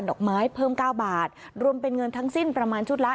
ดอกไม้เพิ่มเก้าบาทรวมเป็นเงินทั้งสิ้นประมาณชุดละ